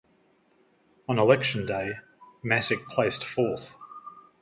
On election day, Masyk placed fourth.